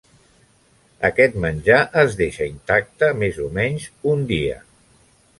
Aquest menjar es deixa intacte, més o menys, un dia.